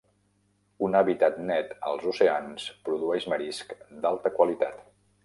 Un hàbitat net als oceans produeix marisc d'alta qualitat.